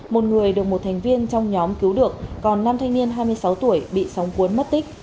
một người được một thành viên trong nhóm cứu được còn năm thanh niên hai mươi sáu tuổi bị sóng cuốn mất tích